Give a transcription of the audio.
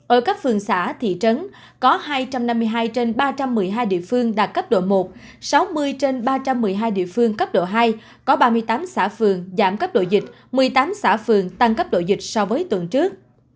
ở các phường xã thị trấn có hai trăm năm mươi hai trên ba trăm một mươi hai địa phương đạt cấp độ một sáu mươi trên ba trăm một mươi hai địa phương cấp độ hai có ba mươi tám xã phường giảm cấp độ dịch một mươi tám xã phường tăng cấp độ dịch so với tuần trước